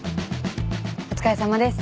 お疲れさまです。